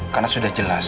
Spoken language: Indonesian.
karena sudah jelas